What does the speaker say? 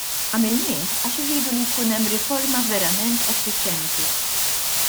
Għamilnieh għax irridu li jkun hemm riforma verament effiċjenti.